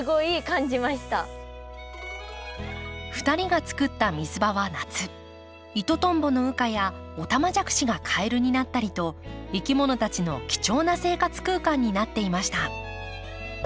２人が作った水場は夏イトトンボの羽化やオタマジャクシがカエルになったりといきものたちの貴重な生活空間になっていました。